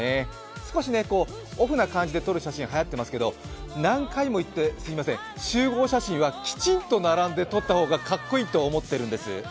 少しオフな感じで撮る写真がはやっていますけど何回も言ってすみません、集合写真はきちんと並んで撮った方がかっこいいと思ってるんです。